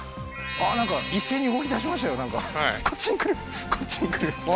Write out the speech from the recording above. あっなんか一斉に動きだしましたよなんかこっちに来るこっちに来るうわ